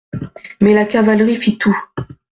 Mais la cavalerie fit tout.